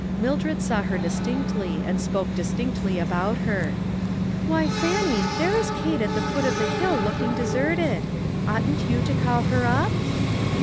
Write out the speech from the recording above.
Mildred saw her distinctly and spoke distinctly about her: " Why, Fannie, there is Kate at the foot of the hill looking deserted ; oughtn't you to call her up?"